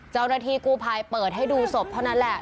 เจ้าหน้าที่กู้ภัยเปิดให้ดูศพเท่านั้นแหละ